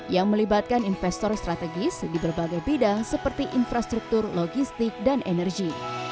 yang melibatkan investor strategis di berbagai bidang seperti infrastruktur logistik dan energi